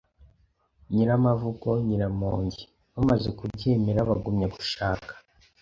Nyiramavugo Nyiramongi. Bamaze kubyemera, bagumya gushaka